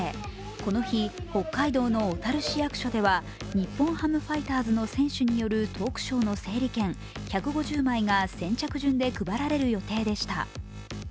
この日、北海道の小樽市役所では日本ハムファイターズの選手によるトークショーの整理券１５０枚が先着順で配られる予定でした。